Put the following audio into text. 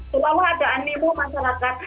terlalu ada animu masyarakat